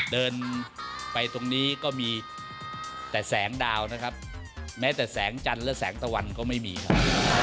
เดินไปตรงนี้ก็มีแต่แสงดาวนะครับแม้แต่แสงจันทร์และแสงตะวันก็ไม่มีครับ